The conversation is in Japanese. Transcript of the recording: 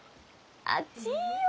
熱いよ。